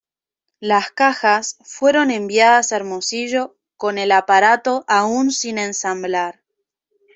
Las cajas fueron enviadas a Hermosillo, con el aparato aún sin ensamblar.